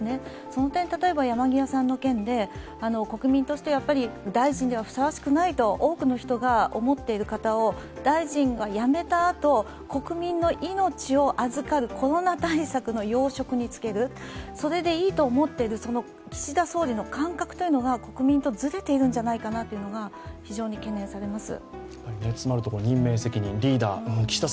その点、例えば山際さんの件で国民が大臣としてふさわしくないと多くの人が思っている方を大臣が辞めたあと国民の命を預かるコロナ対策の要職に就ける、それでいいと思ってる岸田総理の感覚というのが国民とずれているんじゃないかというのが非常に懸念されます。